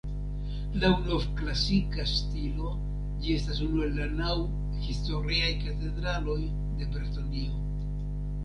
Laŭ novklasika stilo, ĝi estas unu el la naŭ historiaj katedraloj de Bretonio.